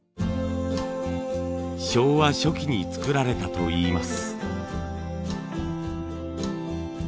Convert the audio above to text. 昭和初期に作られたといいます。